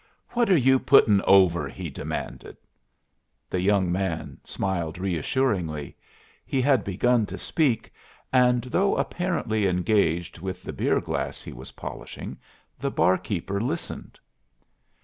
"What are you putting over?" he demanded. The young man smiled reassuringly. He had begun to speak and, though apparently engaged with the beer glass he was polishing, the barkeeper listened.